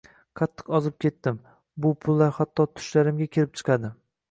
Qattiq ozib ketdim, bu pullar hatto tushlarimga kirib chiqadi.